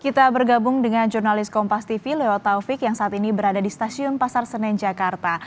kita bergabung dengan jurnalis kompas tv leo taufik yang saat ini berada di stasiun pasar senen jakarta